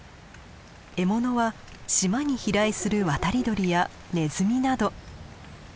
獲物は島に飛来する渡り鳥やネズミなど。